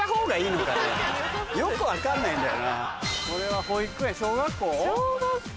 よく分かんないんだよな。